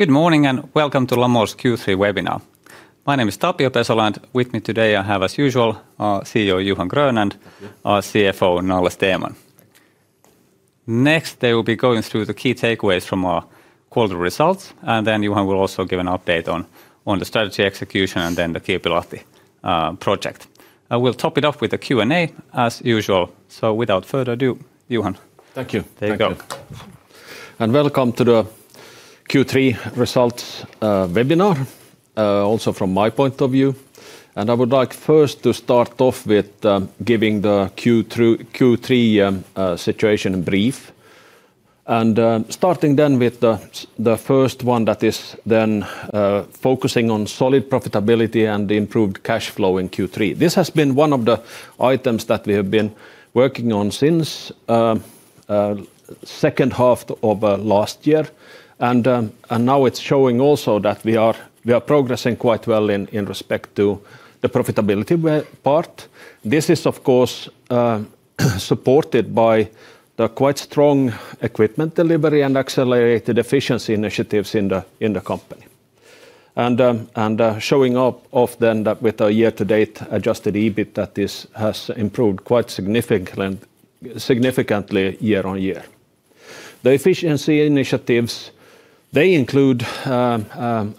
Good morning and welcome to Lamor's Q3 webinar. My name is Tapio Pesola, and with me today I have, as usual, CEO Johan Grön and CFO Nalle Stenman. Next, they will be going through the key takeaways from our quarter results, and then Johan will also give an update on the strategy execution and then the Kilpilahti project. We'll top it off with a Q&A, as usual. Without further ado, Johan, Thank you. There you go. Welcome to the Q3 results webinar, also from my point of view. I would like first to start off with giving the Q3 situation brief. Starting with the first one that is focusing on solid profitability and improved cash flow in Q3. This has been one of the items that we have been working on since the second half of last year. Now it's showing also that we are progressing quite well in respect to the profitability part. This is, of course, supported by the quite strong equipment delivery and accelerated efficiency initiatives in the company, and showing up with a year-to-date adjusted EBIT that has improved quite significantly year-on-year. The efficiency initiatives include,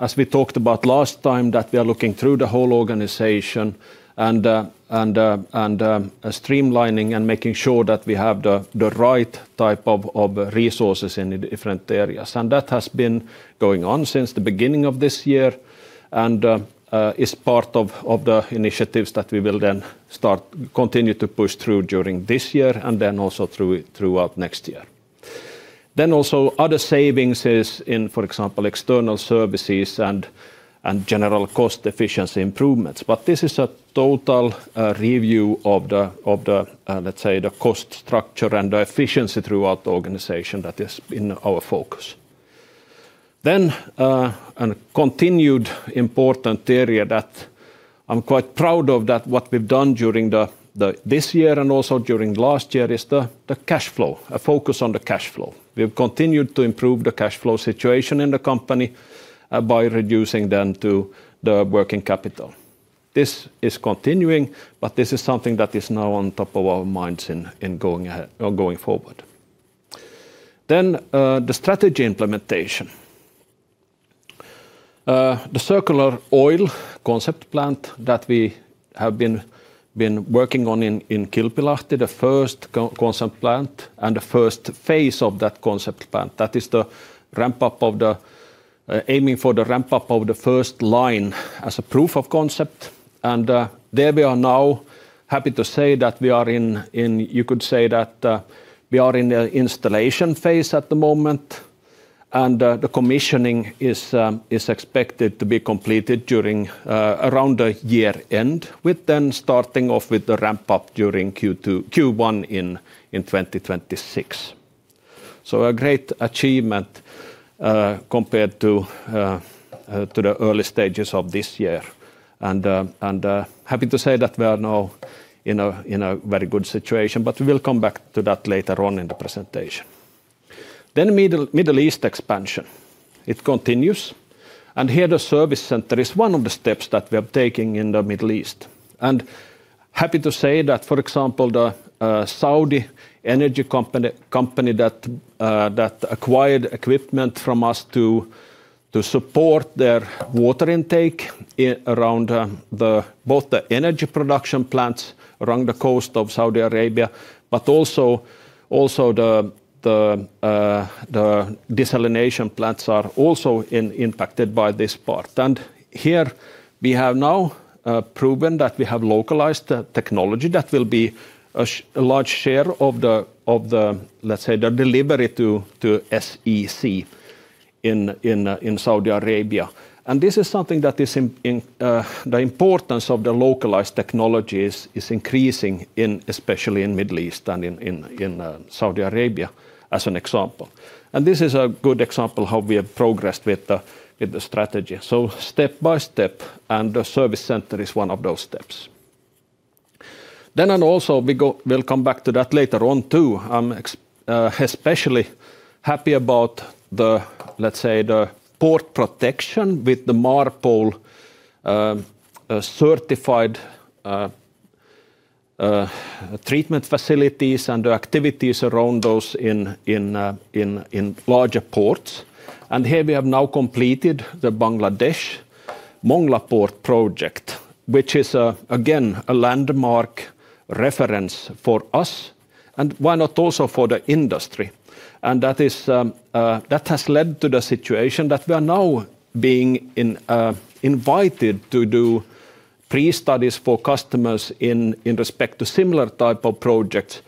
as we talked about last time, that we are looking through the whole organization and streamlining and making sure that we have the right type of resources in different areas. That has been going on since the beginning of this year and is part of the initiatives that we will continue to push through during this year and also throughout next year. Other savings are in, for example, external services and general cost efficiency improvements. This is a total review of the cost structure and the efficiency throughout the organization that is in our focus. A continued important area that I'm quite proud of, what we've done during this year and also during last year, is the cash flow, a focus on the cash flow. We've continued to improve the cash flow situation in the company by reducing the working capital. This is continuing, but this is something that is now on top of our minds going forward. The strategy implementation, the circular oil concept plant that we have been working on in Kilpilahti, the first concept plant and the first phase of that concept plant, that is the ramp-up aiming for the ramp-up of the first line as a proof of concept. We are now happy to say that we are in, you could say, the installation phase at the moment. The commissioning is expected to be completed around the year end, with starting off with the ramp-up during Q1 in 2026. A great achievement compared to the early stages of this year. Happy to say that we are now in a very good situation, but we will come back to that later on in the presentation. Middle East expansion continues. The service center is one of the steps that we are taking in the Middle East. I am happy to say that, for example, the Saudi energy company acquired equipment from us to support their water intake around both the energy production plants along the coast of Saudi Arabia, but also the desalination plants are also impacted by this part. We have now proven that we have localized the technology that will be a large share of the delivery to the Saudi energy sector in Saudi Arabia. The importance of the localized technologies is increasing, especially in the Middle East and in Saudi Arabia, as an example. This is a good example of how we have progressed with the strategy, step by step, and the service center is one of those steps. We will come back to that later on too. I am especially happy about the port protection with the MARPOL-certified treatment facilities and the activities around those in larger ports. We have now completed the Bangladesh Mongla Port project, which is again a landmark reference for us and why not also for the industry. That has led to the situation that we are now being invited to do pre-feasibility studies for customers in respect to similar types of projects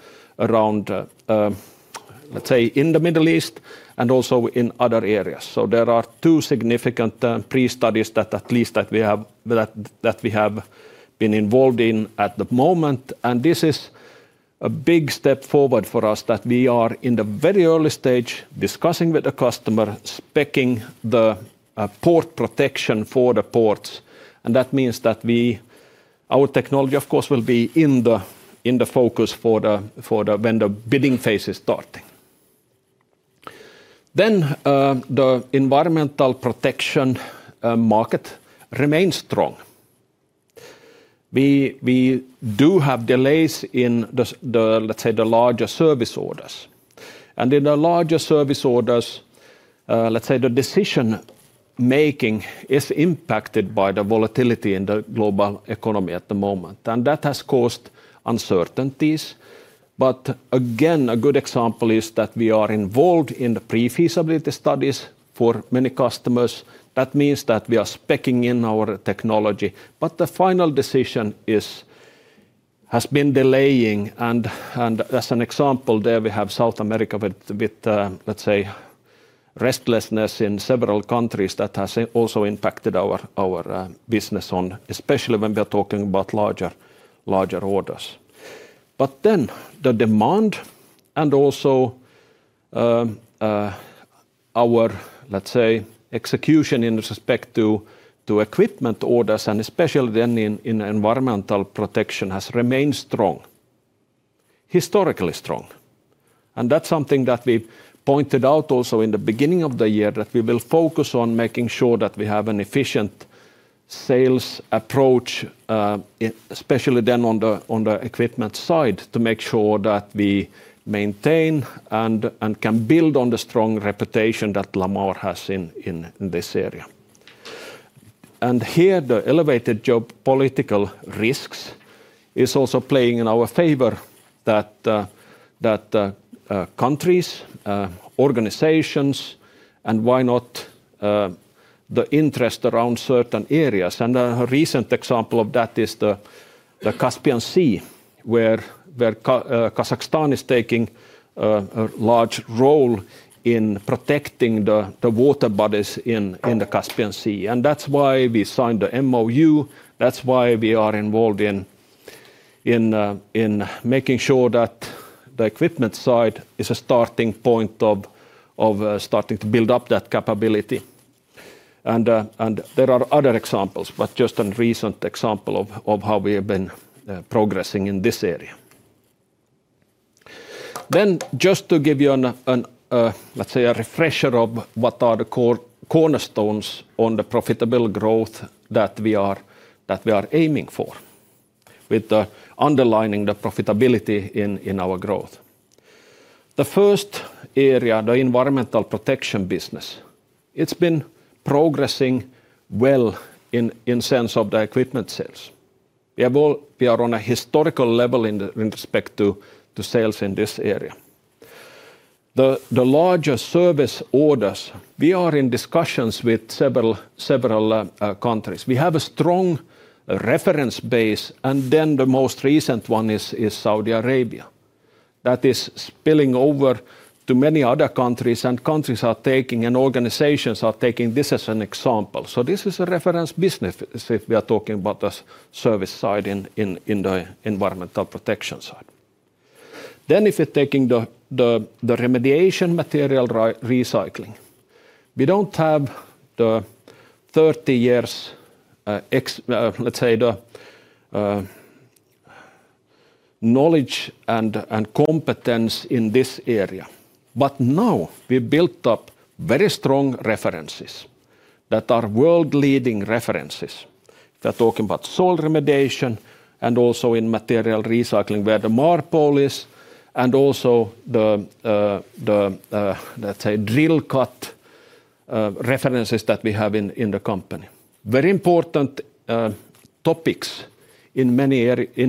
in the Middle East and also in other areas. There are two significant pre-feasibility studies that we have been involved in at the moment. This is a big step forward for us that we are in the very early stage discussing with the customer, speccing the port protection for the ports. That means that our technology, of course, will be in the focus for the bidding phase starting. The environmental protection market remains strong. We do have delays in the larger service orders. In the larger service orders, the decision making is impacted by the volatility in the global economy at the moment, and that has caused uncertainties. A good example is that we are involved in the pre-feasibility studies for many customers. That means that we are speccing in our technology, but the final decision has been delaying. As an example, there we have South America with restlessness in several countries that has also impacted our business, especially when we are talking about larger orders. The demand also. Our execution in respect to equipment orders, and especially in environmental protection, has remained strong. Historically strong. That's something that we pointed out also in the beginning of the year, that we will focus on making sure that we have an efficient sales approach, especially on the equipment side, to make sure that we maintain and can build on the strong reputation that Lamor has in this area. Here, the elevated geopolitical risks are also playing in our favor. Countries, organizations, and the interest around certain areas. A recent example of that is the Caspian Sea, where Kazakhstan is taking a large role in protecting the water bodies in the Caspian Sea. That's why we signed the MOU. That's why we are involved in making sure that the equipment side is a starting point of starting to build up that capability. There are other examples, but just a recent example of how we have been progressing in this area. Just to give you a refresher of what are the cornerstones on the profitable growth that we are aiming for, with underlining the profitability in our growth. The first area, the environmental protection business, it's been progressing well in the sense of the equipment sales. We are on a historical level in respect to sales in this area. The larger service orders, we are in discussions with several countries. We have a strong reference base, and the most recent one is Saudi Arabia. That is spilling over to many other countries, and countries are taking, and organizations are taking this as an example. This is a reference business if we are talking about the service side in the environmental protection side. If we're taking the remediation material recycling, we don't have the 30 years, let's say, knowledge and competence in this area. Now we've built up very strong references that are world-leading references. We are talking about soil remediation and also in material recycling where the MARPOL is, and also the drill cut references that we have in the company. Very important topics in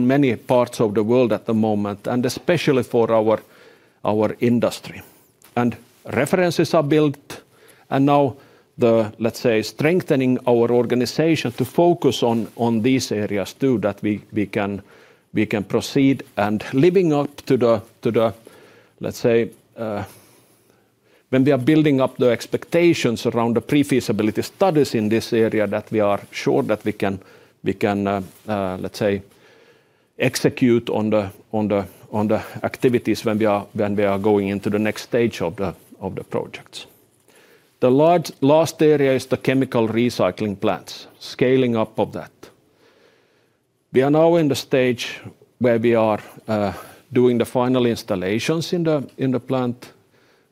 many parts of the world at the moment, and especially for our industry. References are built. Now, strengthening our organization to focus on these areas too, that we can proceed and living up to the, let's say. When we are building up the expectations around the pre-feasibility studies in this area, we are sure that we can execute on the activities when we are going into the next stage of the projects. The last area is the chemical recycling plants, scaling up of that. We are now in the stage where we are doing the final installations in the plant.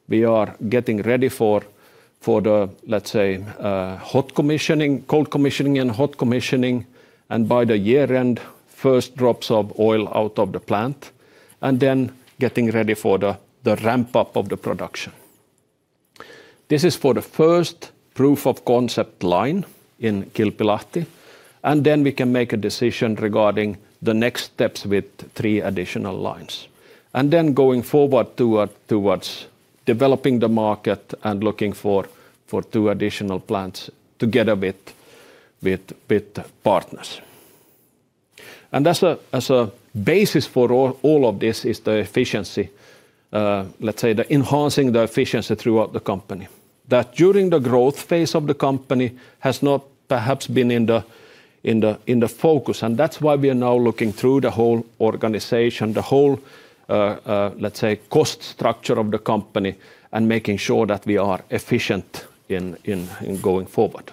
We are getting ready for the cold commissioning and hot commissioning, and by the year-end, first drops of oil out of the plant, and then getting ready for the ramp-up of the production. This is for the first proof of concept line in Kilpilahti, and then we can make a decision regarding the next steps with three additional lines. Going forward towards developing the market and looking for two additional plants together with partners. As a basis for all of this is the efficiency, enhancing the efficiency throughout the company. That during the growth phase of the company has not perhaps been in the focus, and that's why we are now looking through the whole organization, the whole cost structure of the company and making sure that we are efficient in going forward.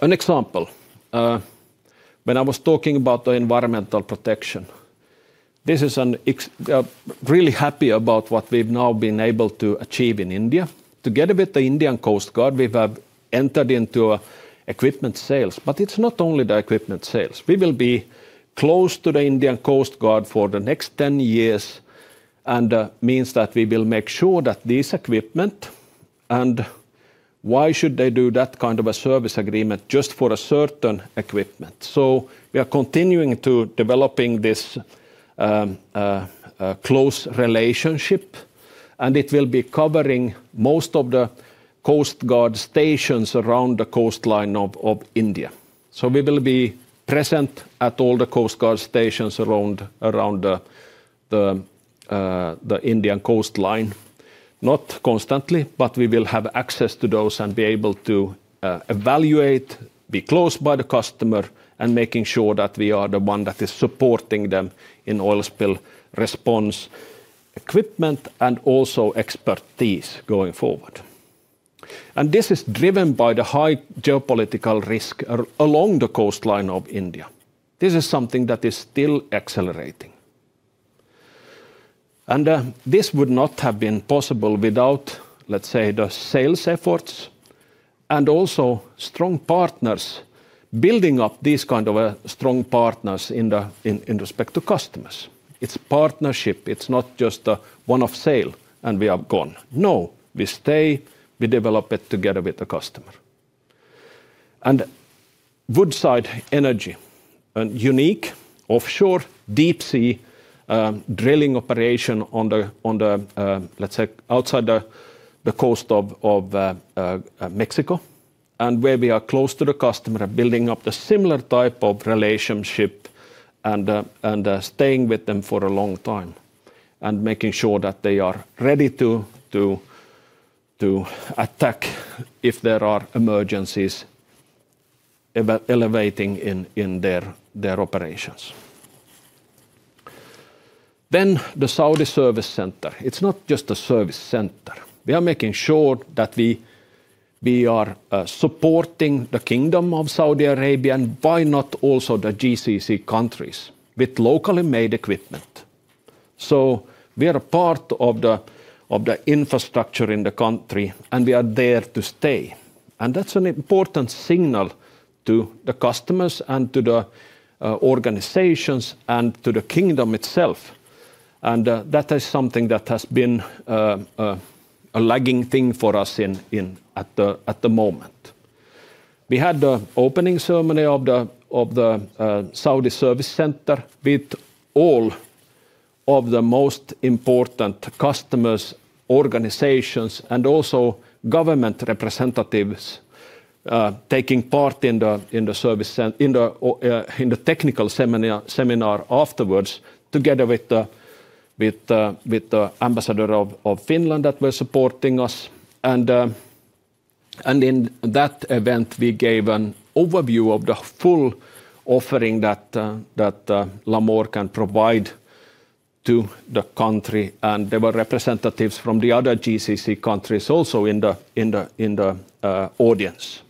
An example, when I was talking about the environmental protection, this is, I'm really happy about what we've now been able to achieve in India. Together with the Indian Coast Guard, we have entered into equipment sales, but it's not only the equipment sales. We will be close to the Indian Coast Guard for the next 10 years, and that means that we will make sure that this equipment. Why should they do that kind of a service agreement just for a certain equipment. We are continuing to develop this close relationship, and it will be covering most of the Coast Guard stations around the coastline of India. We will be present at all the Coast Guard stations around the Indian coastline. Not constantly, but we will have access to those and be able to evaluate, be close by the customer, and making sure that we are the one that is supporting them in oil spill response equipment and also expertise going forward. This is driven by the high geopolitical risk along the coastline of India. This is something that is still accelerating. This would not have been possible without the sales efforts and also strong partners, building up these kinds of strong partners in respect to customers. It's partnership. It's not just one-off sale and we are gone. No, we stay. We develop it together with the customer. Woodside Energy, a unique offshore deep-sea drilling operation on the, let's say, outside the coast of Mexico, and where we are close to the customer, building up a similar type of relationship, staying with them for a long time and making sure that they are ready to attack if there are emergencies elevating in their operations. The Saudi service center is not just a service center. We are making sure that we are supporting the Kingdom of Saudi Arabia and, why not, also the GCC countries with locally made equipment. We are a part of the infrastructure in the country, and we are there to stay. That's an important signal to the customers, to the organizations, and to the Kingdom itself. That is something that has been a lagging thing for us at the moment. We had the opening ceremony of the Saudi service center with all of the most important customers, organizations, and also government representatives taking part in the technical seminar afterwards together with the Ambassador of Finland that were supporting us. In that event, we gave an overview of the full offering that Lamor can provide to the country, and there were representatives from the other GCC countries also in the audience.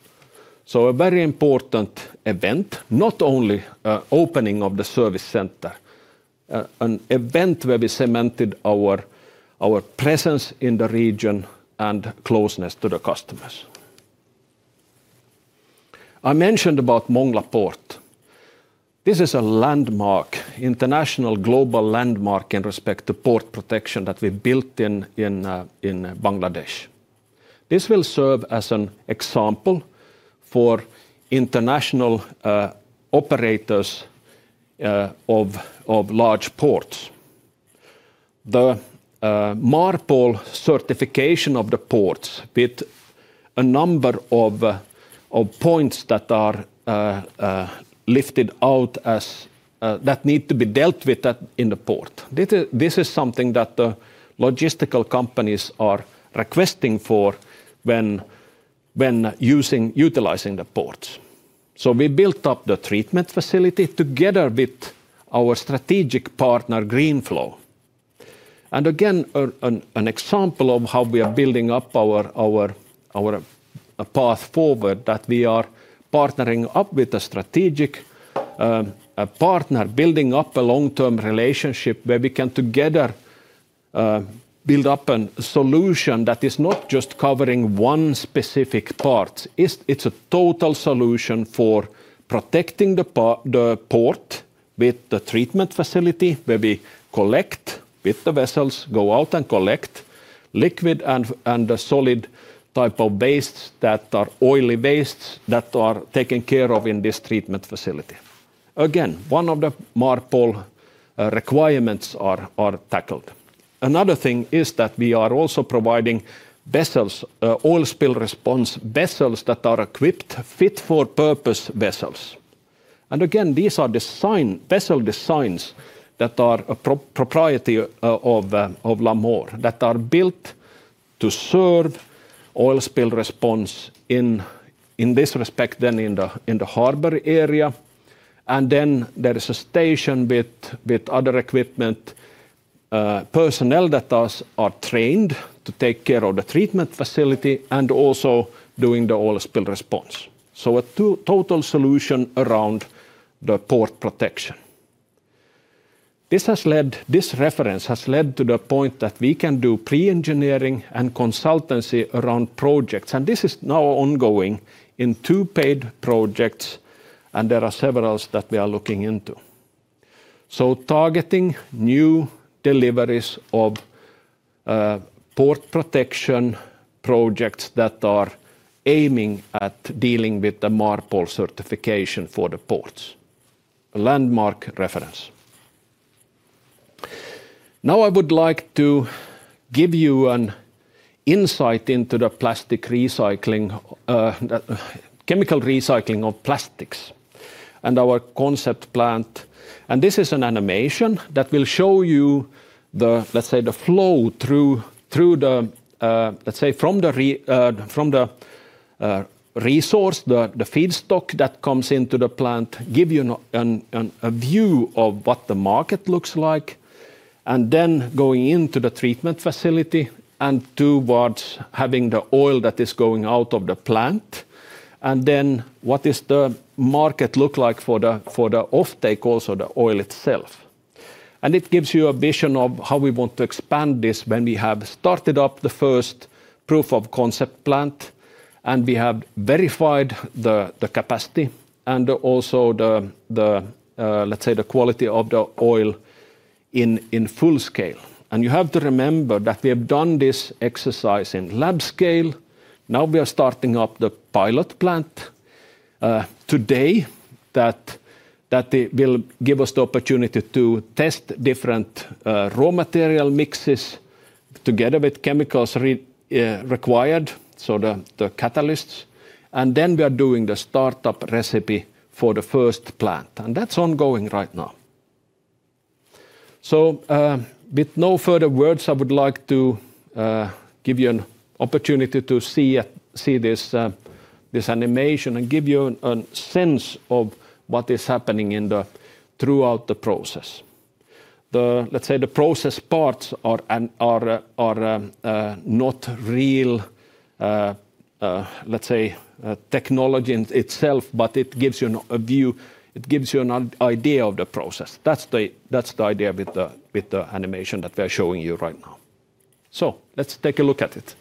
A very important event, not only the opening of the service center, but an event where we cemented our presence in the region and closeness to the customers. I mentioned about Mongla Port. This is a landmark, international global landmark in respect to port protection that we built in Bangladesh. This will serve as an example for international operators of large ports. The MARPOL certification of the ports with a number of points that are lifted out that need to be dealt with in the port. This is something that the logistical companies are requesting for when utilizing the ports. We built up the treatment facility together with our strategic partner, GreenFlow, and again, an example of how we are building up our path forward, that we are partnering up with a strategic partner, building up a long-term relationship where we can together build up a solution that is not just covering one specific part. It's a total solution for protecting the port with the treatment facility where we collect with the vessels, go out and collect liquid and the solid type of wastes that are oily wastes that are taken care of in this treatment facility. Again, one of the MARPOL requirements is tackled. Another thing is that we are also providing vessels, oil spill response vessels that are equipped, fit-for-purpose vessels. These are vessel designs that are a propriety of Lamor that are built to serve oil spill response in this respect in the harbor area. There is a station with other equipment, personnel that are trained to take care of the treatment facility and also doing the oil spill response. A total solution around the port protection. This reference has led to the point that we can do pre-engineering and consultancy around projects, and this is now ongoing in two paid projects, and there are several that we are looking into. Targeting new deliveries of port protection projects that are aiming at dealing with the MARPOL certification for the ports. A landmark reference. Now I would like to give you an insight into the chemical recycling of plastics and our concept plant. This is an animation that will show you the, let's say, the flow through the, let's say, from the resource, the feedstock that comes into the plant, give you a view of what the market looks like, and then going into the treatment facility and towards having the oil that is going out of the plant. What does the market look like for the offtake also of the oil itself. It gives you a vision of how we want to expand this when we have started up the first proof of concept plant, and we have verified the capacity and also the, let's say, the quality of the oil in full scale. You have to remember that we have done this exercise in lab scale. Now we are starting up the pilot plant today that will give us the opportunity to test different raw material mixes together with chemicals required, so the catalysts. We are doing the startup recipe for the first plant, and that's ongoing right now. With no further words, I would like to give you an opportunity to see this animation and give you a sense of what is happening throughout the process. The process parts are not real technology itself, but it gives you a view, it gives you an idea of the process. That's the idea with the animation that we are showing you right now. Let's take a look at it.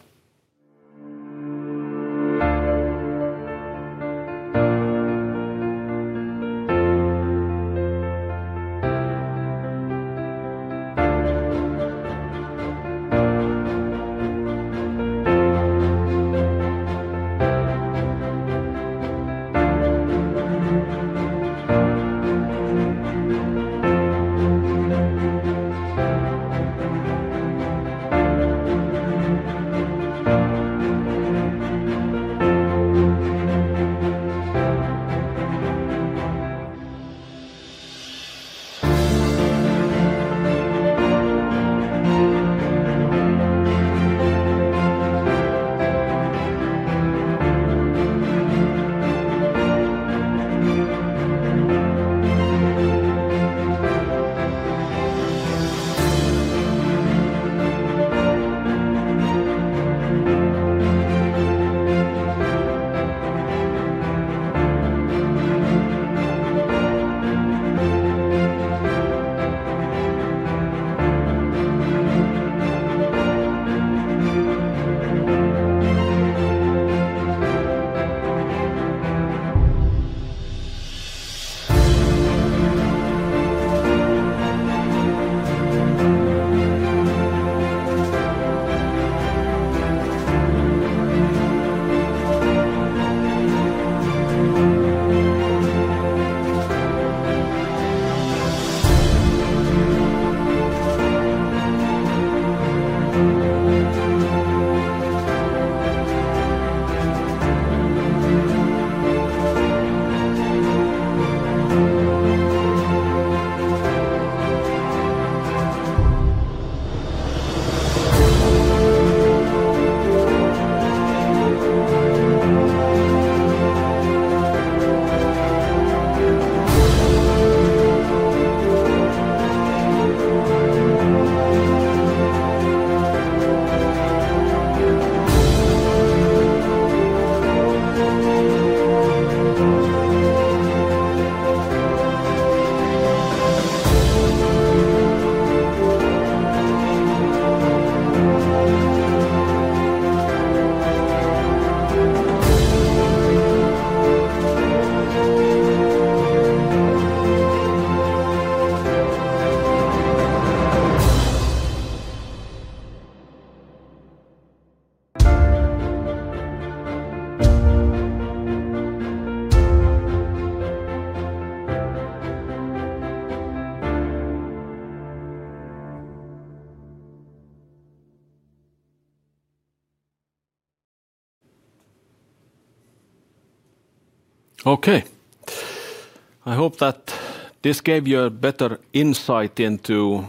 Okay. I hope that this gave you a better insight into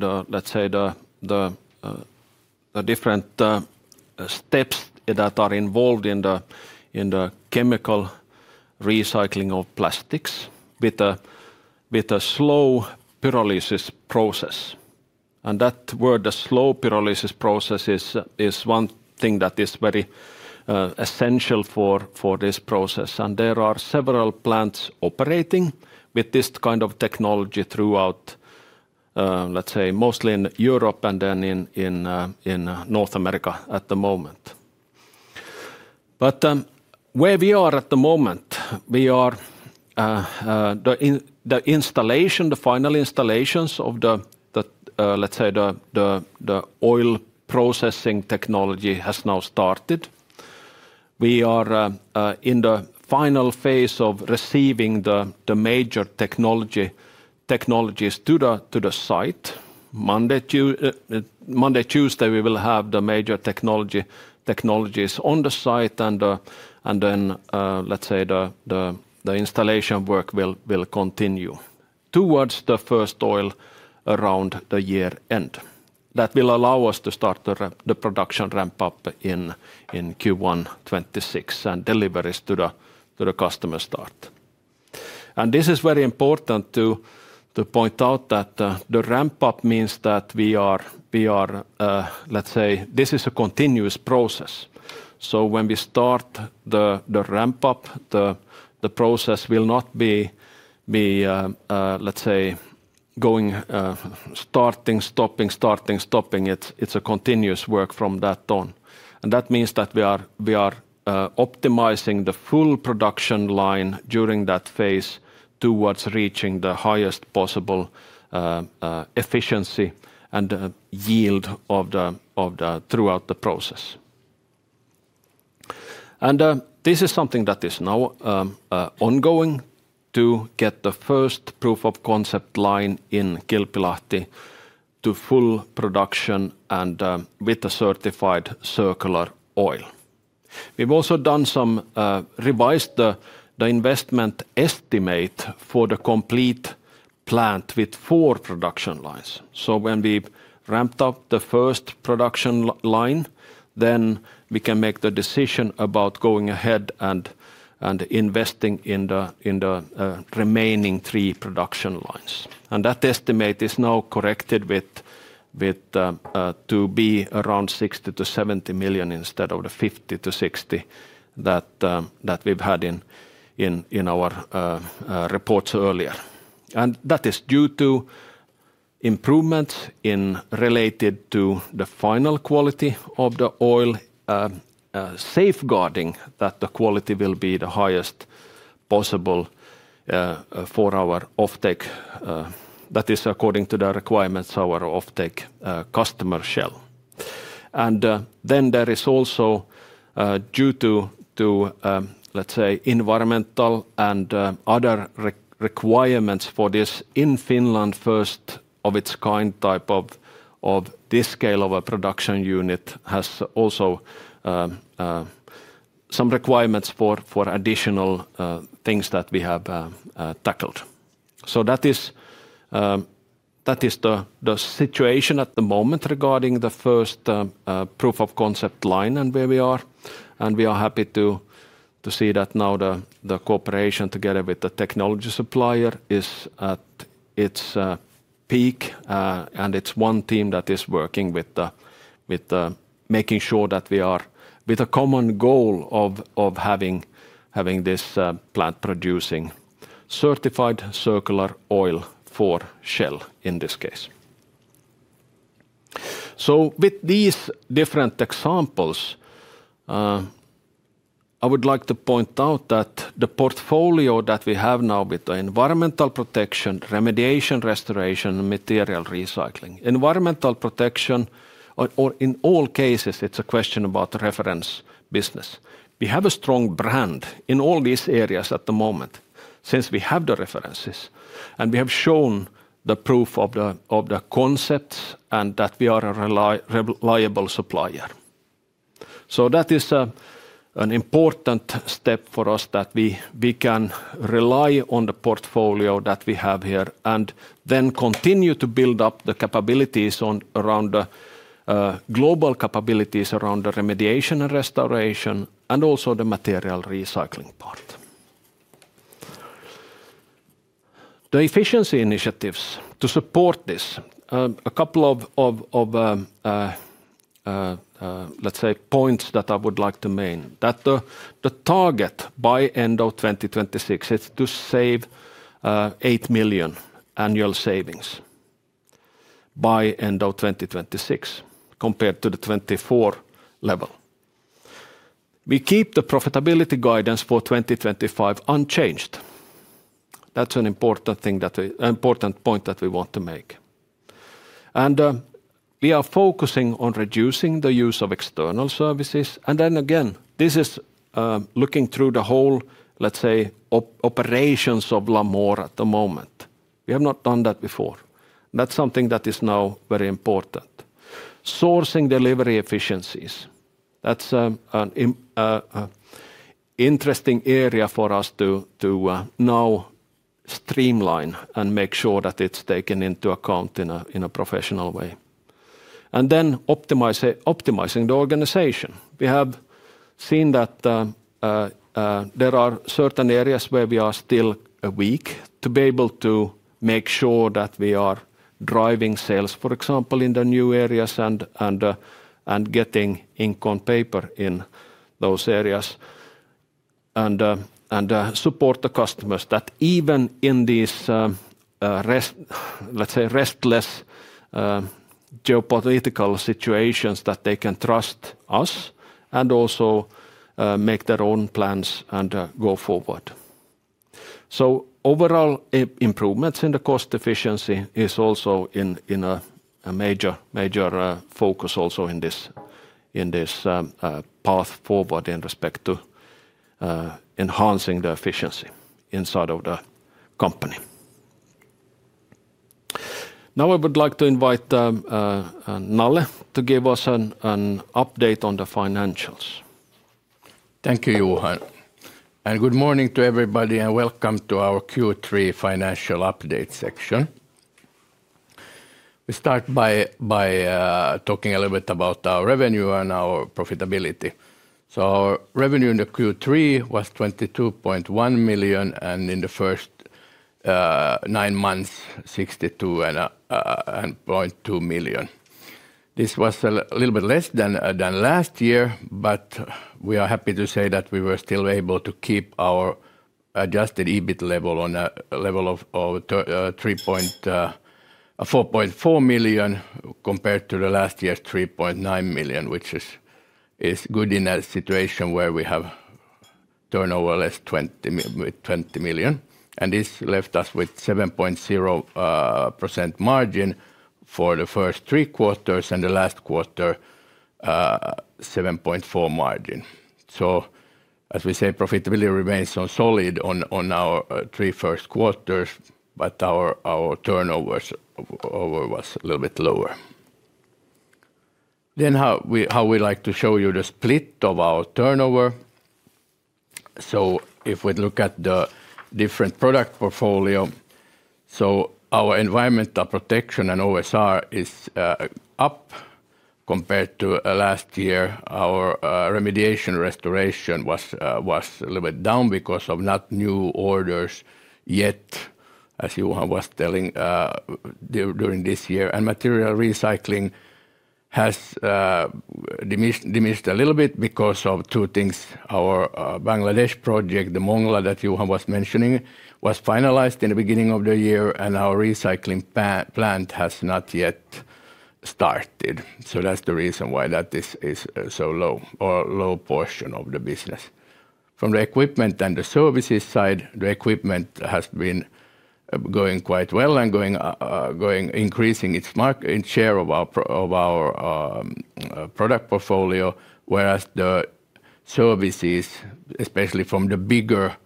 the, let's say, the different steps that are involved in the chemical recycling of plastics with a slow pyrolysis process. That word, the slow pyrolysis process, is one thing that is very essential for this process. There are several plants operating with this kind of technology throughout, mostly in Europe and then in North America at the moment. Where we are at the moment, we are in the final installations of the oil processing technology. The final phase of receiving the major technologies to the site has now started. Monday, Tuesday, we will have the major technologies on the site, and the installation work will continue towards the first oil around the year end. That will allow us to start the production ramp-up in Q1 2026 and deliveries to the customer start. This is very important to point out, that the ramp-up means that this is a continuous process. When we start the ramp-up, the process will not be starting, stopping, starting, stopping. It's a continuous work from that on. That means we are optimizing the full production line during that phase towards reaching the highest possible efficiency and yield throughout the process. This is something that is now ongoing to get the first proof of concept line in Kilpilahti to full production and with a certified circular oil. We've also revised the investment estimate for the complete plant with four production lines. When we ramp up the first production line, then we can make the decision about going ahead and investing in the remaining three production lines. That estimate is now corrected to be around 60 million-70 million instead of the 50 million-60 million that we've had in our reports earlier. That is due to improvements related to the final quality of the oil, safeguarding that the quality will be the highest possible for our offtake. That is according to the requirements of our offtake customer, Shell. There is also, due to environmental and other requirements for this in Finland, first of its kind type of this scale of a production unit, some requirements for additional things that we have tackled. That is the situation at the moment regarding the first proof of concept line and where we are. We are happy to see that now the cooperation together with the technology supplier is at its peak, and it's one team that is working with a common goal of having this plant producing certified circular oil for Shell in this case. With these different examples, I would like to point out that the portfolio that we have now with the environmental protection, remediation, restoration, material recycling, environmental protection. In all cases, it's a question about the reference business. We have a strong brand in all these areas at the moment since we have the references, and we have shown the proof of the concepts and that we are a reliable supplier. That is an important step for us that we can rely on the portfolio that we have here and then continue to build up the capabilities around the global capabilities around the remediation and restoration and also the material recycling part. The efficiency initiatives to support this, a couple of points that I would like to make, that the target by end of 2026 is to save 8 million annual savings by end of 2026 compared to the 2024 level. We keep the profitability guidance for 2025 unchanged. That's an important thing, an important point that we want to make. We are focusing on reducing the use of external services. This is looking through the whole operations of Lamor at the moment. We have not done that before. That's something that is now very important. Sourcing delivery efficiencies, that's an interesting area for us to now streamline and make sure that it's taken into account in a professional way. Optimizing the organization, we have seen that there are certain areas where we are still weak to be able to make sure that we are driving sales, for example, in the new areas and getting ink on paper in those areas. Support the customers that even in these restless geopolitical situations that they can trust us and also make their own plans and go forward. Overall improvements in the cost efficiency is also in a major focus also in this path forward in respect to enhancing the efficiency inside of the company. Now I would like to invite Nalle to give us an update on the financials. Thank you, Johan. Good morning to everybody and welcome to our Q3 financial update section. We start by talking a little bit about our revenue and our profitability. Our revenue in the Q3 was 22.1 million and in the first nine months, [62.2] million. This was a little bit less than last year, but we are happy to say that we were still able to keep our adjusted EBIT level on a level of 4.4 million compared to the last year's 3.9 million, which is. Good in a situation where we have turnover less than 20 million. This left us with 7.0% margin for the first three quarters and the last quarter, 7.4% margin. Profitability remains solid on our three first quarters, but our turnover was a little bit lower. Then how we like to show you the split of our turnover. If we look at the different product portfolio, our environmental protection and OSR is up compared to last year. Our remediation restoration was a little bit down because of not new orders yet, as Johan was telling during this year. Material recycling has diminished a little bit because of two things. Our Bangladesh project, the Mongla that Johan was mentioning, was finalized in the beginning of the year, and our recycling plant has not yet started. That's the reason why that is so low, or low portion of the business. From the equipment and the services side, the equipment has been going quite well and increasing its share of our product portfolio, whereas the services, especially from the bigger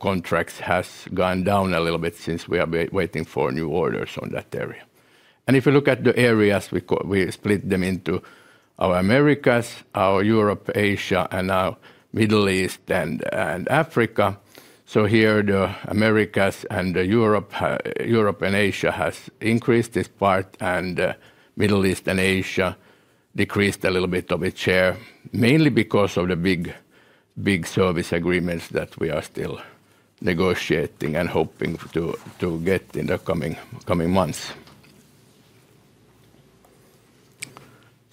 contracts, have gone down a little bit since we are waiting for new orders on that area. If you look at the areas, we split them into our Americas, our Europe, Asia, and our Middle East and Africa. Here the Americas and Europe and Asia have increased this part, and Middle East and Asia decreased a little bit of its share, mainly because of the big service agreements that we are still negotiating and hoping to get in the coming months.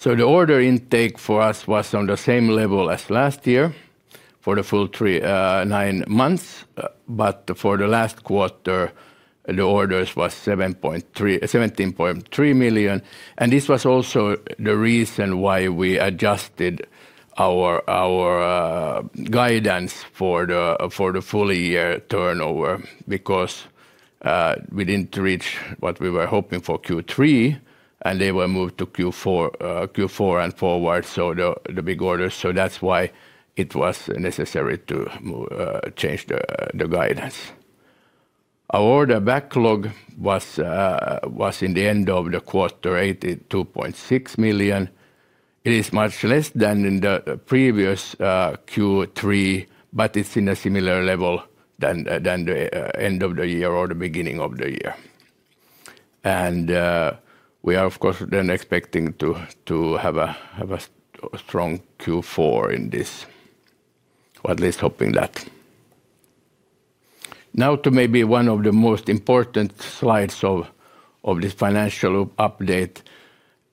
The order intake for us was on the same level as last year for the full nine months, but for the last quarter, the orders were 17.3 million. This was also the reason why we adjusted our guidance for the full year turnover because we didn't reach what we were hoping for Q3, and they were moved to Q4 and forward, so the big orders. That's why it was necessary to change the guidance. Our order backlog was in the end of the quarter 82.6 million. It is much less than in the previous Q3, but it's in a similar level than the end of the year or the beginning of the year. We are, of course, then expecting to have a strong Q4 in this, or at least hoping that. Now to maybe one of the most important slides of this financial update,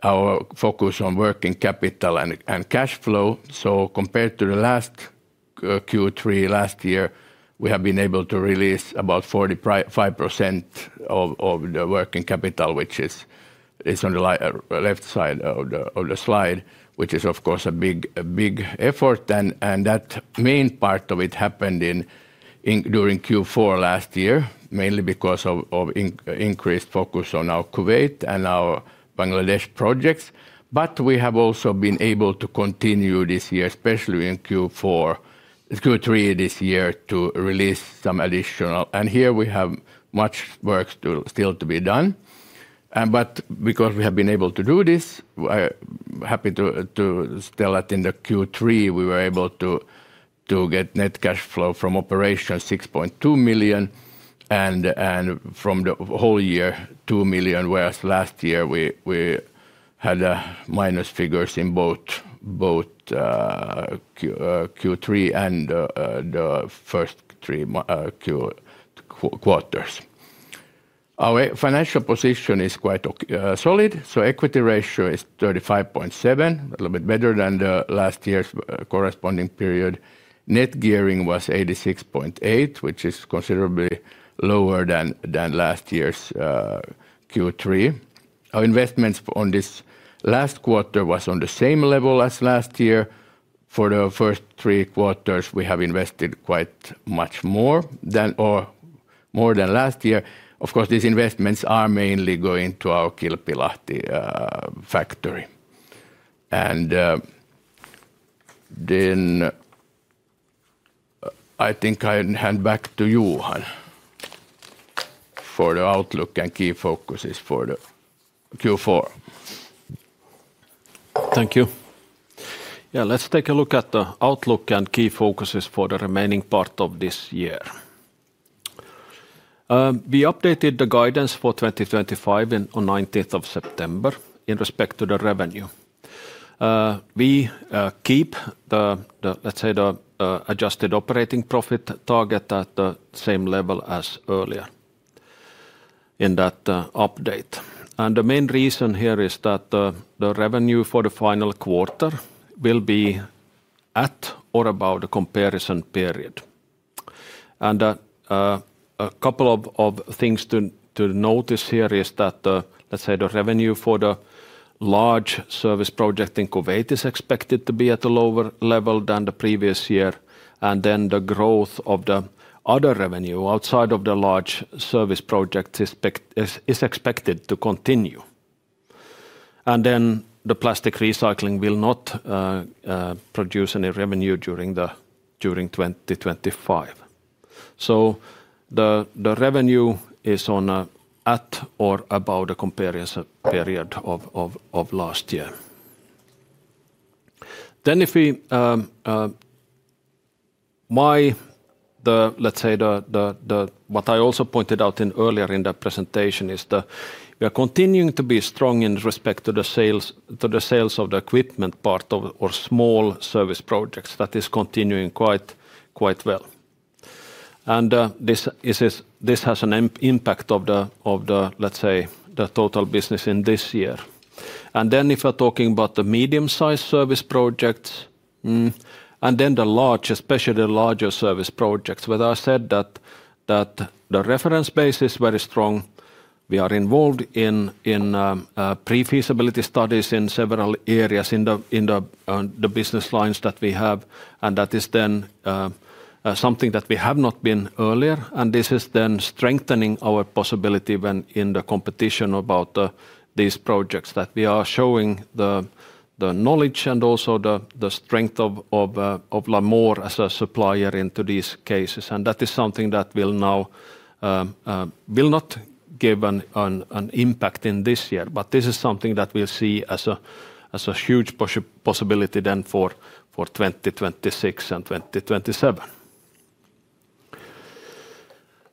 our focus on working capital and cash flow. Compared to the last Q3 last year, we have been able to release about 45% of the working capital, which is on the left side of the slide, which is, of course, a big effort. That main part of it happened during Q4 last year, mainly because of increased focus on our Kuwait and our Bangladesh projects. We have also been able to continue this year, especially in Q3, to release some additional. We have much work still to be done, but because we have been able to do this, I'm happy to tell that in Q3 we were able to get net cash flow from operations 6.2 million, and from the whole year, 2 million, whereas last year we had minus figures in both Q3 and the first three quarters. Our financial position is quite solid. Equity ratio is 35.7%, a little bit better than the last year's corresponding period. Net gearing was 86.8%, which is considerably lower than last year's Q3. Our investments on this last quarter were on the same level as last year. For the first three quarters, we have invested quite much more than last year. These investments are mainly going to our Kilpilahti factory. I think I'll hand back to Johan for the outlook and key focuses for Q4. Thank you. Let's take a look at the outlook and key focuses for the remaining part of this year. We updated the guidance for 2025 on 19th of September in respect to the revenue. We keep the adjusted operating profit target at the same level as earlier in that update. The main reason here is that the revenue for the final quarter will be at or above the comparison period. A couple of things to notice here is that the revenue for the large service project in Kuwait is expected to be at a lower level than the previous year, and the growth of the other revenue outside of the large service project is expected to continue. The plastic recycling will not produce any revenue during 2025. The revenue is at or above the comparison period of last year. What I also pointed out earlier in the presentation is that we are continuing to be strong in respect to the sales of the equipment part of our small service projects. That is continuing quite well, and this has an impact on the total business in this year. If we're talking about the medium-sized service projects and then the large, especially the larger service projects, the reference base is very strong. We are involved in pre-feasibility studies in several areas in the business lines that we have, and that is then. Something that we have not been earlier. This is then strengthening our possibility in the competition about these projects that we are showing the knowledge and also the strength of Lamor as a supplier in today's cases. That is something that will now not give an impact in this year, but this is something that we'll see as a huge possibility then for 2026 and 2027.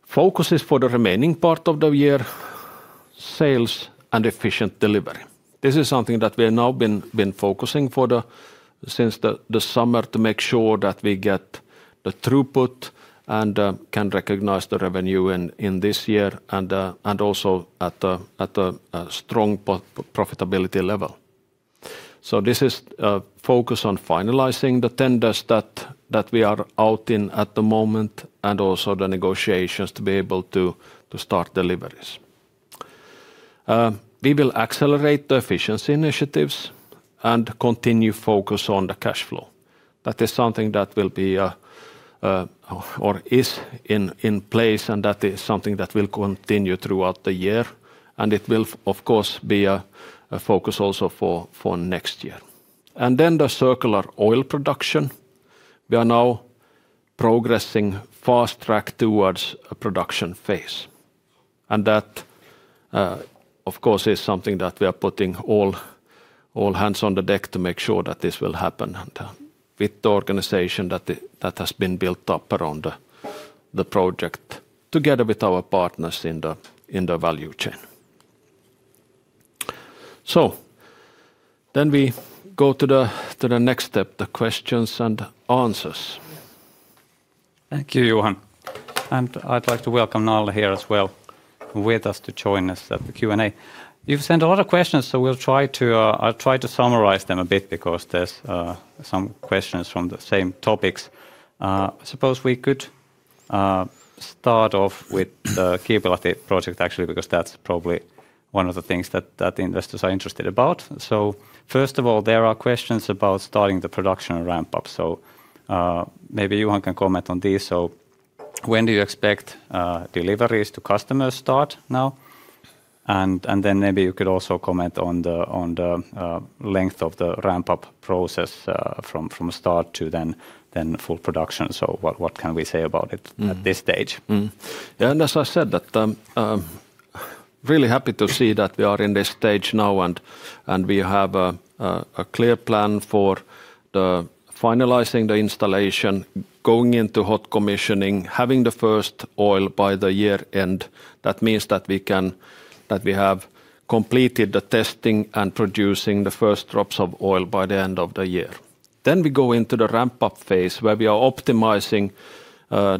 Focuses for the remaining part of the year: sales and efficient delivery. This is something that we have now been focusing on since the summer to make sure that we get the throughput and can recognize the revenue in this year and also at a strong profitability level. This is a focus on finalizing the tenders that we are out in at the moment and also the negotiations to be able to start deliveries. We will accelerate the efficiency initiatives and continue focus on the cash flow. That is something that is in place, and that is something that will continue throughout the year. It will, of course, be a focus also for next year. The circular oil production, we are now progressing fast track towards a production phase. That, of course, is something that we are putting all hands on the deck to make sure that this will happen and the organization that has been built up around the project together with our partners in the value chain. We go to the next step, the questions and answers. Thank you, Johan. I'd like to welcome Nalle here as well with us to join us at the Q&A. You've sent a lot of questions, so we'll try to summarize them a bit because there's some questions from the same topics. I suppose we could start off with the Kilpilahti project, actually, because that's probably one of the things that investors are interested about. First of all, there are questions about starting the production ramp-up. Maybe Johan can comment on this. When do you expect deliveries to customers start now? Maybe you could also comment on the length of the ramp-up process from start to then full production. What can we say about it at this stage? Yeah, as I said, really happy to see that we are in this stage now and we have a clear plan for finalizing the installation, going into hot commissioning, having the first oil by the year end. That means that we have completed the testing and producing the first drops of oil by the end of the year. We go into the ramp-up phase where we are optimizing.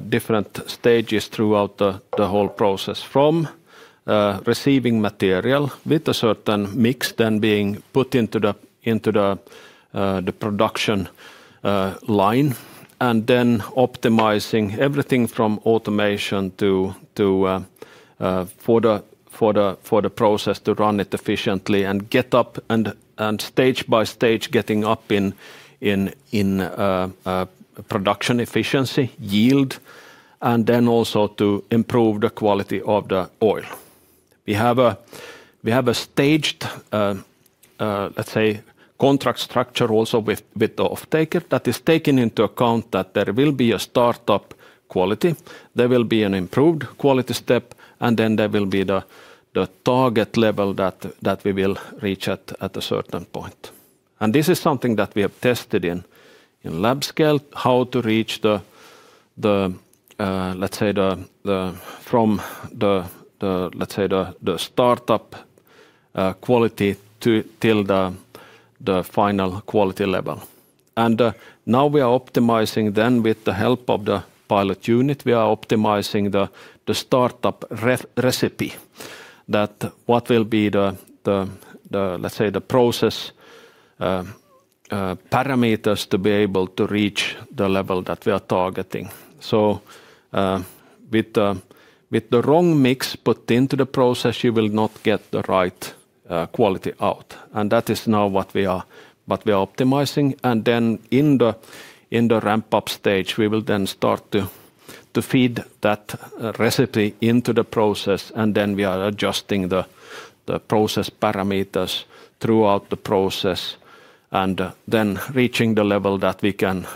Different stages throughout the whole process from receiving material with a certain mix, then being put into the production line and then optimizing everything from automation for the process to run it efficiently and, stage by stage, getting up in production efficiency, yield, and then also to improve the quality of the oil. We have a staged, let's say, contract structure also with the off-taker that is taken into account that there will be a start-up quality, there will be an improved quality step, and then there will be the target level that we will reach at a certain point. This is something that we have tested in lab scale, how to reach the, let's say, from the start-up quality till the final quality level. Now we are optimizing then with the help of the pilot unit, we are optimizing the start-up recipe, what will be the, let's say, the process parameters to be able to reach the level that we are targeting. With the wrong mix put into the process, you will not get the right quality out. That is now what we are optimizing. In the ramp-up stage, we will then start to feed that recipe into the process, and then we are adjusting the process parameters throughout the process and then reaching the level that we can,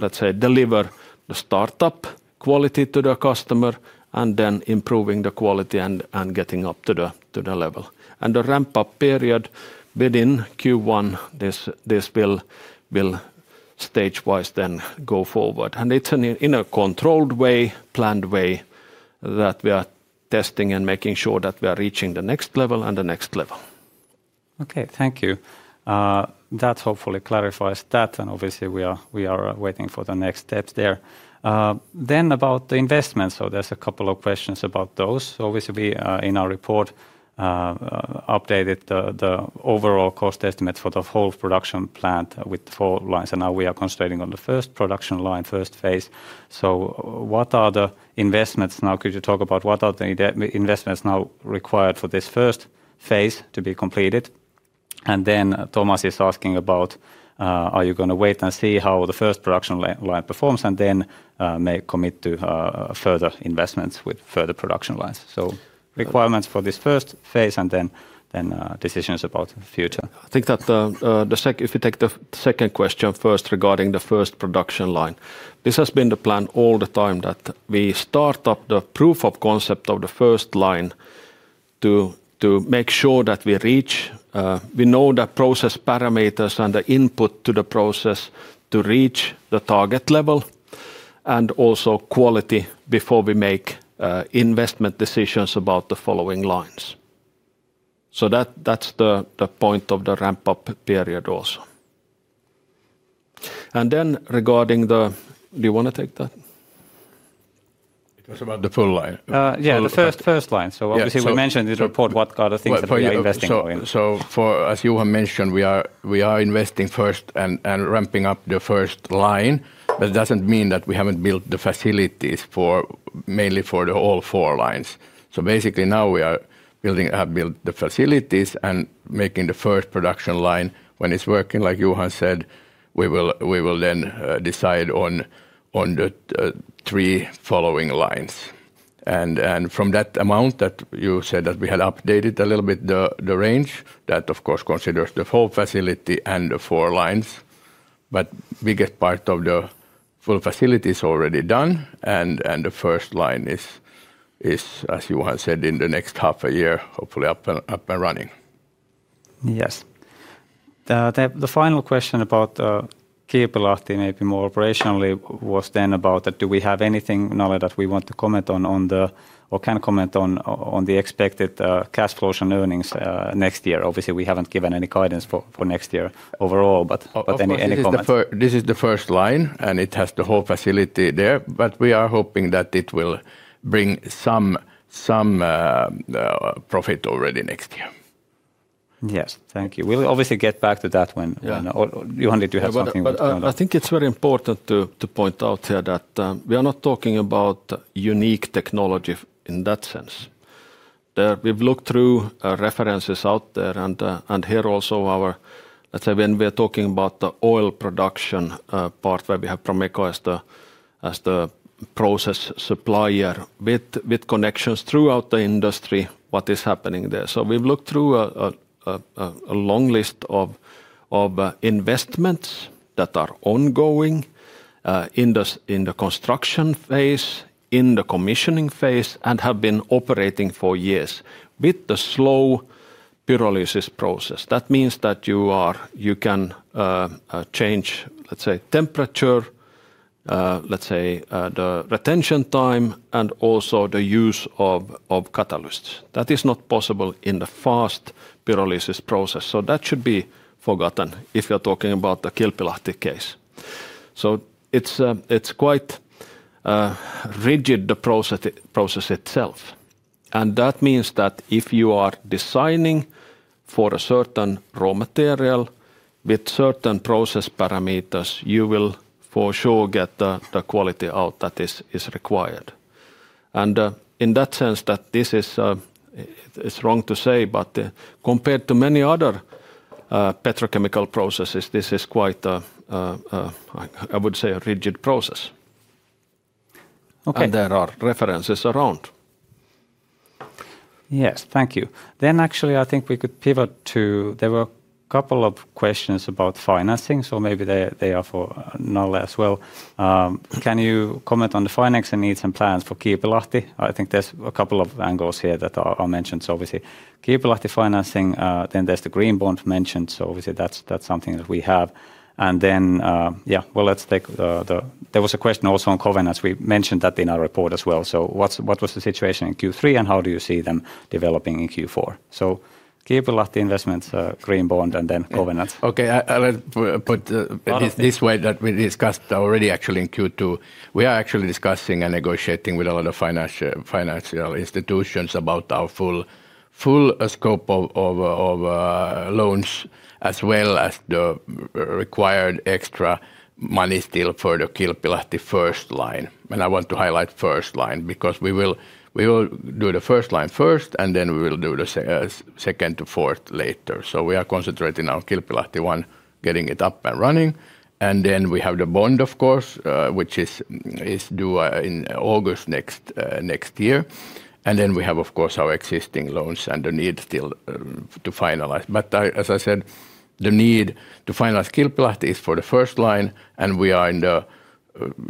let's say, deliver the start-up quality to the customer and then improving the quality and getting up to the level. The ramp-up period within Q1, this will stage-wise then go forward. It's in a controlled way, planned way that we are testing and making sure that we are reaching the next level and the next level. Okay, thank you. That hopefully clarifies that. Obviously, we are waiting for the next steps there. About the investments, there's a couple of questions about those. Obviously, we in our report updated the overall cost estimate for the whole production plant with four lines. Now we are concentrating on the first production line, first phase. What are the investments now? Could you talk about what are the investments now required for this first phase to be completed? Thomas is asking about are you going to wait and see how the first production line performs and then may commit to further investments with further production lines? Requirements for this first phase and then decisions about the future. I think that the second, if we take the second question first regarding the first production line, this has been the plan all the time that we start up the proof of concept of the first line. To make sure that we reach, we know the process parameters and the input to the process to reach the target level and also quality before we make investment decisions about the following lines. That's the point of the ramp-up period also. Regarding the, do you want to take that? It was about the full line. Yeah, the first line. Obviously, we mentioned in the report what kind of things that we are investing in. As Johan mentioned, we are investing first and ramping up the first line. It doesn't mean that we haven't built the facilities mainly for all four lines. Basically, now we have built the facilities and making the first production line. When it's working, like Johan said, we will then decide on the three following lines. From that amount that you said that we had updated a little bit the range, that of course considers the whole facility and the four lines. The biggest part of the full facility is already done. The first line is, as Johan said, in the next half a year, hopefully up and running. Yes. The final question about Kilpilahti, maybe more operationally, was then about that do we have anything, Nalle, that we want to comment on or can comment on the expected cash flows and earnings next year? Obviously, we haven't given any guidance for next year overall, but any comments? This is the first line, and it has the whole facility there. We are hoping that it will bring some profit already next year. Yes, thank you. We'll obviously get back to that when, Johan, did you have something? I think it's very important to point out here that we are not talking about unique technology in that sense. We've looked through references out there and here also our, let's say, when we're talking about the oil production part where we have Promeko as the process supplier with connections throughout the industry, what is happening there. We've looked through a long list of investments that are ongoing in the construction phase, in the commissioning phase, and have been operating for years with the slow pyrolysis process. That means that you can change, let's say, temperature, the retention time, and also the use of catalysts. That is not possible in the fast pyrolysis process. That should be forgotten if you're talking about the Kilpilahti case. It's quite rigid, the process itself. That means that if you are designing for a certain raw material with certain process parameters, you will for sure get the quality out that is required. In that sense, this is, wrong to say, but compared to many other petrochemical processes, this is quite, I would say, a rigid process. There are references around. Yes, thank you. I think we could pivot to, there were a couple of questions about financing, so maybe they are for Nalle as well. Can you comment on the financing needs and plans for Kilpilahti? I think there's a couple of angles here that are mentioned. Obviously, Kilpilahti financing, then there's the green bond mentioned. That's something that we have. There was a question also on covenants. We mentioned that in our report as well. What was the situation in Q3 and how do you see them developing in Q4? Kilpilahti investments, green bond, and then covenants. I'll put it this way that we discussed already actually in Q2. We are actually discussing and negotiating with a lot of financial institutions about our full scope of loans as well as the required extra money still for the Kilpilahti first line. I want to highlight first line because we will do the first line first and then we will do the second to fourth later. We are concentrating on Kilpilahti one, getting it up and running. We have the bond, of course, which is due in August next year. We have, of course, our existing loans and the need still to finalize. As I said, the need to finalize Kilpilahti is for the first line. We are in the,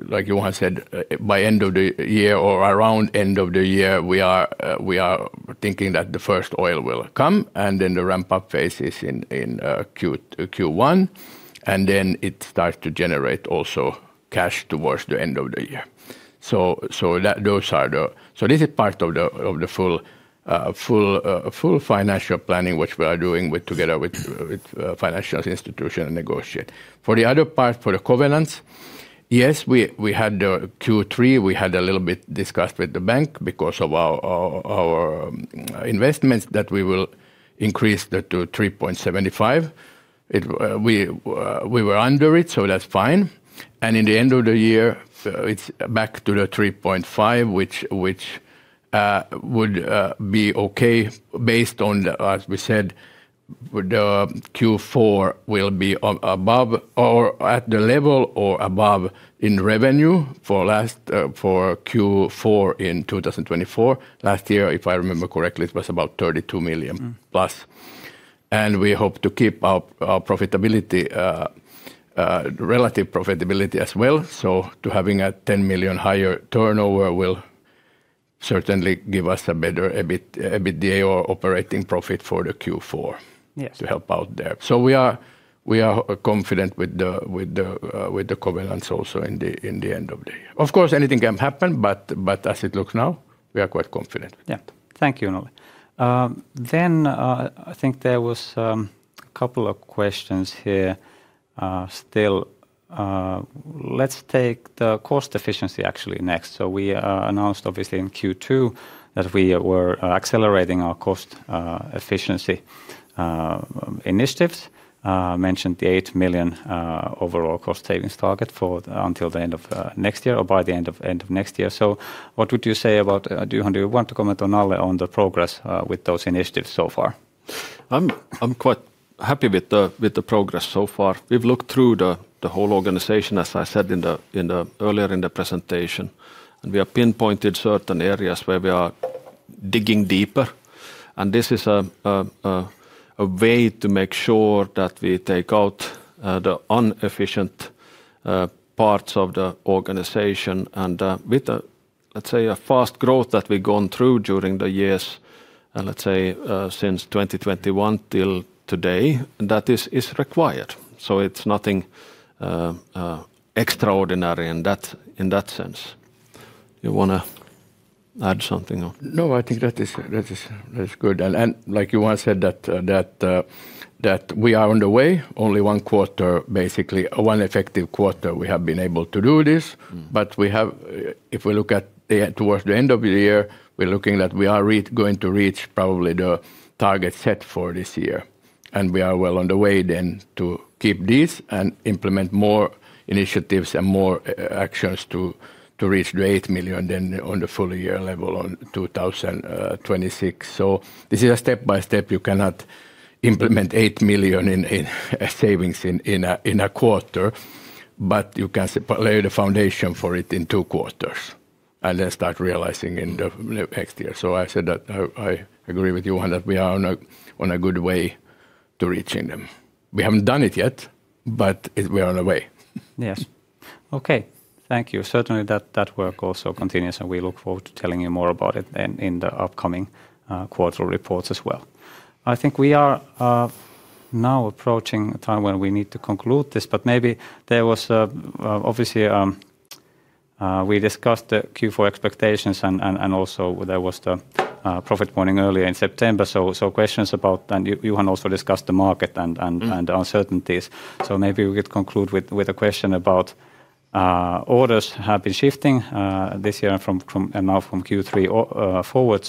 like Johan said, by end of the year or around end of the year, we are thinking that the first oil will come. The ramp-up phase is in Q1. It starts to generate also cash towards the end of the year. This is part of the full financial planning which we are doing together with financial institutions and negotiate. For the other part, for the covenants, yes, we had Q3, we had a little bit discussed with the bank because of our investments that we will increase to 3.75. We were under it, so that's fine. At the end of the year, it's back to the 3.5, which would be okay based on, as we said, the Q4 will be above or at the level or above in revenue for Q4 in 2024. Last year, if I remember correctly, it was about 32 million plus. We hope to keep our relative profitability as well. Having a 10 million higher turnover will certainly give us a better EBITDA or operating profit for Q4 to help out there. We are confident with the covenants also at the end of the year. Of course, anything can happen, but as it looks now, we are quite confident. Thank you, Nalle. I think there were a couple of questions here still. Let's take the cost efficiency actually next. We announced obviously in Q2 that we were accelerating our cost efficiency initiatives. Mentioned the 8 million overall cost savings target until the end of next year or by the end of next year. What would you say about, do you want to comment on, Nalle, on the progress with those initiatives so far? I'm quite happy with the progress so far. We've looked through the whole organization, as I said earlier in the presentation. We have pinpointed certain areas where we are digging deeper. This is a way to make sure that we take out the inefficient parts of the organization. With, let's say, a fast growth that we've gone through during the years, let's say, since 2021 till today, that is required. It's nothing extraordinary in that sense. You want to add something? No, I think that is good. Like Johan said, we are on the way, only one quarter, basically one effective quarter, we have been able to do this. If we look towards the end of the year, we're looking that we are going to reach probably the target set for this year. We are well on the way then to keep these and implement more initiatives and more actions to reach the 8 million then on the full year level in 2026. This is a step by step. You cannot implement 8 million in savings in a quarter, but you can lay the foundation for it in two quarters and then start realizing in the next year. I agree with Johan that we are on a good way to reaching them. We haven't done it yet, but we are on the way. Yes. Thank you. Certainly that work also continues, and we look forward to telling you more about it in the upcoming quarter reports as well. I think we are now approaching a time when we need to conclude this, but maybe there was obviously, we discussed the Q4 expectations and also there was the profit warning earlier in September. Questions about, and Johan also discussed the market and the uncertainties. Maybe we could conclude with a question about orders having been shifting this year and now from Q3 forward.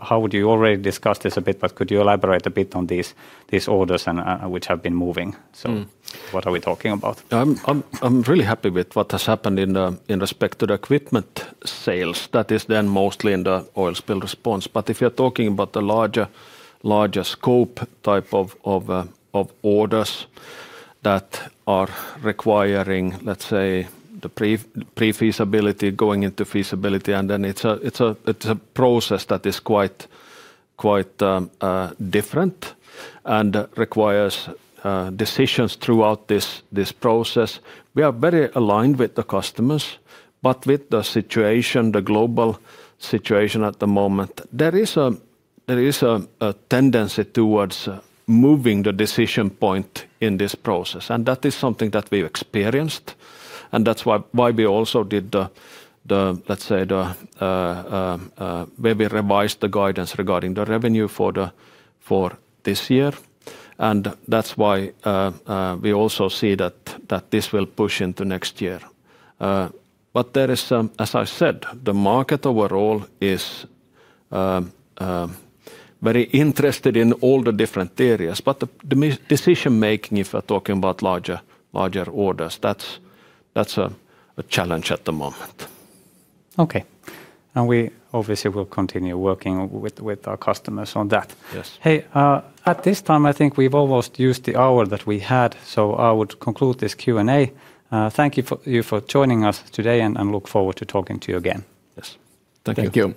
How would you, you already discussed this a bit, but could you elaborate a bit on these orders which have been moving? What are we talking about? I'm really happy with what has happened in respect to the equipment sales. That is then mostly in the oil spill response. If you're talking about the larger scope type of orders that are requiring, let's say, the pre-feasibility going into feasibility, it's a process that is quite different and requires decisions throughout this process. We are very aligned with the customers, but with the situation, the global situation at the moment, there is a tendency towards moving the decision point in this process. That is something that we've experienced. That's why we also did the, let's say, where we revised the guidance regarding the revenue for this year. That's why we also see that this will push into next year. As I said, the market overall is very interested in all the different areas. The decision making, if we're talking about larger orders, that's a challenge at the moment. We obviously will continue working with our customers on that. At this time, I think we've almost used the hour that we had. I would conclude this Q&A. Thank you for joining us today and look forward to talking to you again. Thank you.